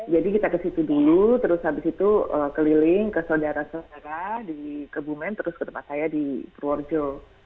jadi kita ke situ dulu terus habis itu keliling ke saudara saudara di kebumen terus ke tempat saya di purworejo